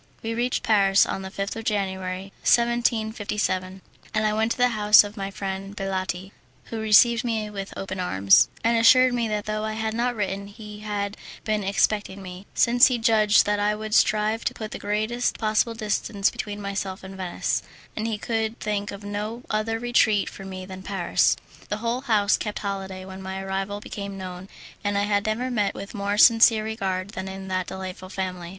We reached Paris on the 5th of January, 1757, and I went to the house of my friend Baletti, who received me with open arms, and assured me that though I had not written he had been expecting me, since he judged that I would strive to put the greatest possible distance between myself and Venice, and he could think of no other retreat for me than Paris. The whole house kept holiday when my arrival became known, and I have never met with more sincere regard than in that delightful family.